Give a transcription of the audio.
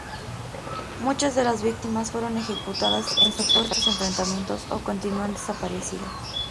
Muchas de las víctimas fueron ejecutadas en supuestos enfrentamientos o continúan desaparecidas.